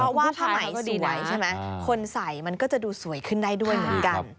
เพราะว่าผ้าไหมสวยใช่ไหมคนใส่มันก็จะดูสวยขึ้นได้ด้วยเหมือนกัน